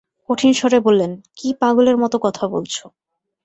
কঠিন স্বরে বললেন, কী পাগলের মতো কথা বলছ।